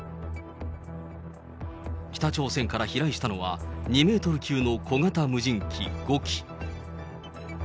北朝鮮から飛来したのは、２メートル級の小型無人機５機。